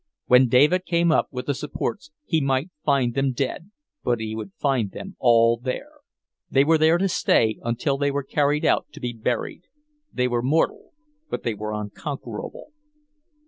When David came up with the supports he might find them dead, but he would find them all there. They were there to stay until they were carried out to be buried. They were mortal, but they were unconquerable.